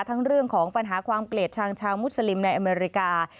เรื่องของปัญหาความเกลียดชังชาวมุสลิมในอเมริกา